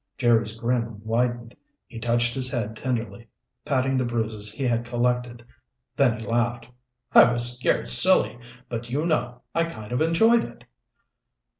Jerry's grin widened. He touched his head tenderly, patting the bruises he had collected. Then he laughed. "I was scared silly, but you know, I kind of enjoyed it!"